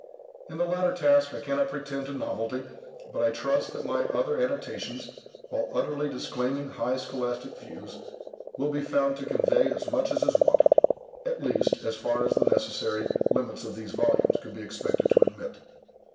In the latter task I cannot pretend to novelty, but I trust that my other annotations, while utterly disclaiming high scholastic views, will be found to convey as much as is wanted; at least, as far as the necessary limits of these volumes could be expected to admit.